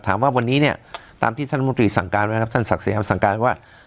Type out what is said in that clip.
ถามว่าวันนี้เนี่ยตามที่ท่านรัฐมนตรีสั่งการไหมครับท่านศักดิ์สิครับสั่งการว่า